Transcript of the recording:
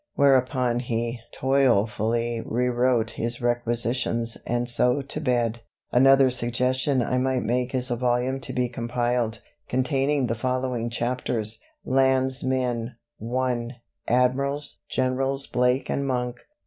Whereupon he toilfully rewrote his requisitions 'and so to bed.' "Another suggestion I might make is a volume to be compiled, containing the following chapters: I. "Landsmen Admirals," Generals Blake and Monk.